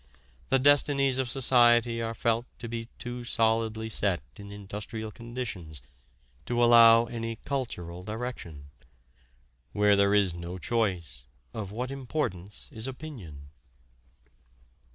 The destinies of society are felt to be too solidly set in industrial conditions to allow any cultural direction. Where there is no choice, of what importance is opinion?